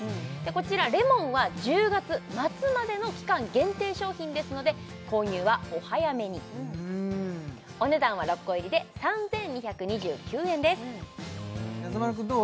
こちられもんは１０月末までの期間限定商品ですので購入はお早めにお値段は６個入りで３２２９円ですやさ丸くんどう？